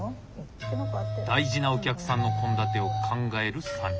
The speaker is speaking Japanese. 大事なお客さんの献立を考える３人。